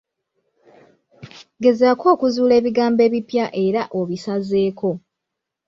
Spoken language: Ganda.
Gezaako okuzuula ebigambo ebipya era obisazeeko.